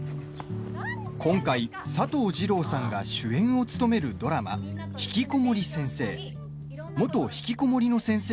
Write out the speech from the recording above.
今回、佐藤二朗さんが主演を務めるドラマ「ひきこもり先生」。